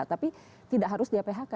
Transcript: tapi tidak harus dia phk